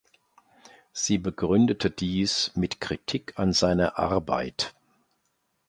Sie begründete dies mit Kritik an seiner Arbeit.